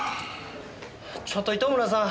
ちょっと糸村さん。